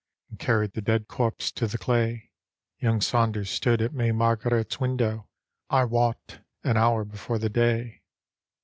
And carried the dead corpse to the clay. Young Saunders stood at may Margaret's window, I wot, an hour before the day.